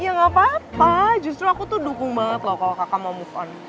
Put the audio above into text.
ya gapapa justru aku tuh dukung banget loh kalau kakak mau move on